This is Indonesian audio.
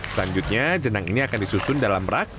selanjutnya jenang ini akan disusun dalam rak